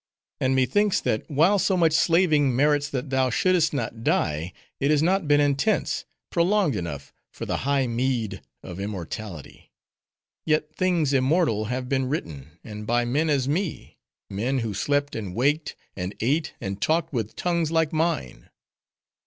And methinks, that while so much slaving merits that thou should'st not die; it has not been intense, prolonged enough, for the high meed of immortality. Yet, things immortal have been written; and by men as me;—men, who slept and waked; and ate; and talked with tongues like mine.